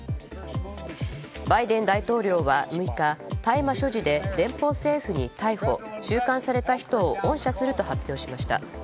バイデン大統領は、６日大麻所持で連邦政府に逮捕収監された人を恩赦すると発表しました。